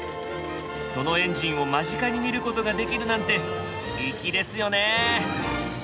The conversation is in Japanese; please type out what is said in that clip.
そのエンジンを間近に見ることができるなんて粋ですよね。